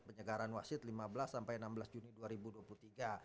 penyegaran wasit lima belas sampai enam belas juni dua ribu dua puluh tiga